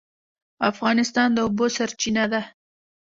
افغانستان د اوبو سرچینه ده